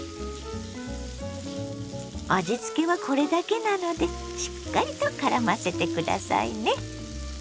味つけはこれだけなのでしっかりとからませて下さいね。